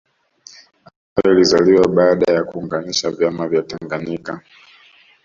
Ambayo ilizaliwa baada ya kuunganisha vyama vya Tanganyika